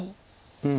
うん。